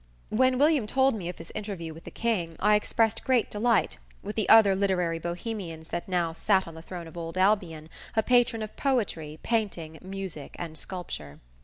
When William told me of this interview with the King I expressed great delight, with the other literary bohemians that now there sat on the throne of old Albion, a patron of poetry, painting, music and sculpture.